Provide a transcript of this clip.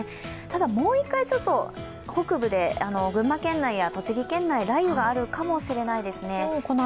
ただ、もう一回北部で群馬県内や栃木県内、雷雨があるかもしれないですね。